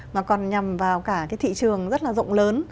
mà còn nhằm vào cả cái thị trường rất là rộng lớn